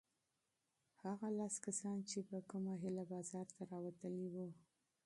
هغه لس کسان چې په کومه هیله بازار ته راوتلي وو؟